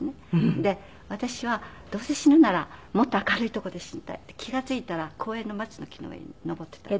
で私はどうせ死ぬならもっと明るい所で死にたいって気が付いたら公園の松の木の上に登っていた。